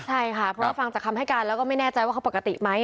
ใช่ค่ะเพราะว่าฟังจากคำให้การแล้วก็ไม่แน่ใจว่าเขาปกติไหม